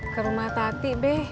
ke rumah tati be